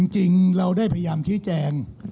จริงเราได้พยายามชี้แจง